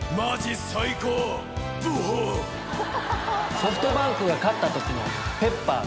ソフトバンクが勝ったときのペッパー君。